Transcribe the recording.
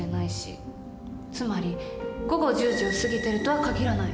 つまり午後１０時を過ぎてるとは限らない。